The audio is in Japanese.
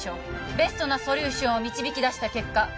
ベストなソリューションを導き出した結果